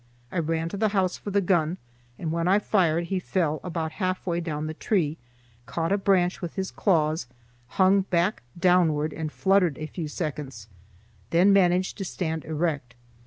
I ran to the house for the gun, and when I fired he fell about halfway down the tree, caught a branch with his claws, hung back downward and fluttered a few seconds, then managed to stand erect.